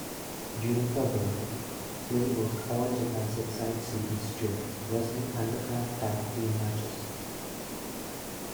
During February, Flair worked All Japan's "Excite Series" tour, wrestling undercard tag team matches.